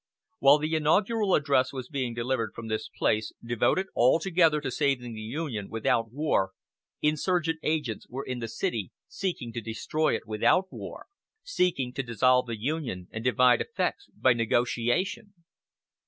While the inaugural address was being delivered from this place, devoted altogether to saving the Union without war, insurgent agents were in the city seeking to destroy it without war seeking to dissolve the Union and divide effects, by negotiation.